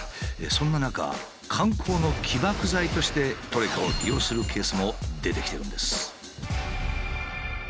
そんな中観光の起爆剤としてトレカを利用するケースも出てきてるんです。